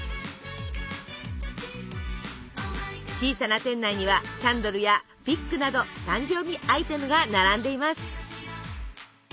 小さな店内にはキャンドルやピックなど誕生日アイテムが並んでいます。